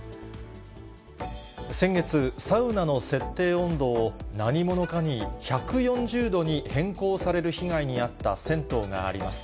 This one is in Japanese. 先月、サウナの設定温度を、何者かに１４０度に変更される被害に遭った銭湯があります。